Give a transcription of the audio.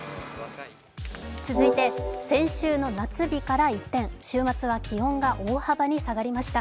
続いて先週の夏日から一転週末は気温が下がりました。